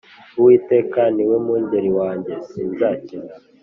uwiteka niwe mungeri wanjye sinzakena